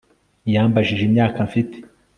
Yambajije imyaka mfite